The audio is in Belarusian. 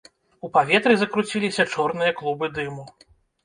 У паветры закруціліся чорныя клубы дыму.